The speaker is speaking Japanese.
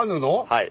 はい。